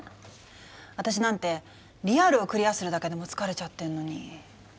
私なんてリアルをクリアするだけでも疲れちゃってんのに。